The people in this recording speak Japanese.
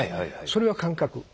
それは「感覚」。